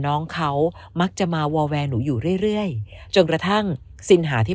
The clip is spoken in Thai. น้องเขามักจะมาวอลแวร์หนูอยู่เรื่อยจนกระทั่งสิงหาที่